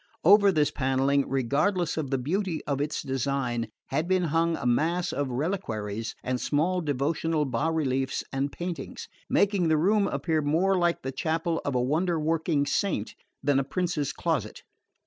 Over this panelling, regardless of the beauty of its design, had been hung a mass of reliquaries and small devotional bas reliefs and paintings, making the room appear more like the chapel of a wonder working saint than a prince's closet.